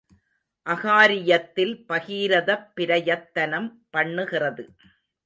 அகாரியத்தில் பகீரதப் பிரயத்தனம் பண்ணுகிறது.